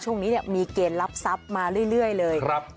ช่วงนี้มีเกณฑ์รับทรัพย์มาเรื่อยเลย